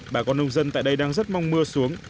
bà con nông dân tại đây đang rất mong mưa xuống